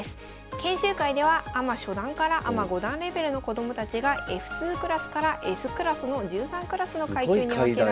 研修会ではアマ初段からアマ五段レベルの子どもたちがＦ２クラスからＳクラスの１３クラスの階級に分けられ。